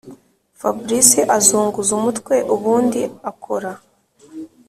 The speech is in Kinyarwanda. fabric azunguza umutwe ubundi akora